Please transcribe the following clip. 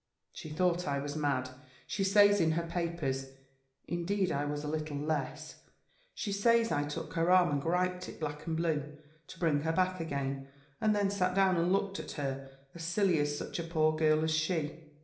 She thought I was mad, she says in her papers. Indeed I was little less. She says, I took her arm, and griped it black and blue, to bring her back again; and then sat down and looked at her as silly as such a poor girl as she!